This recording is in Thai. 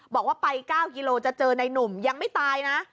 บอกว่าไป๙กิโลจะเจอในหนุ่มยังไม่ตายนะ